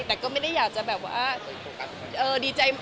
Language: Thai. แต่ก็ไม่ได้อยากจะดีใจเล่นใหญ่